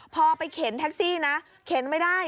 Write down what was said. พอไปเข็นแท็กซี่นะเข็นไม่ได้